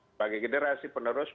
sebagai generasi pemuda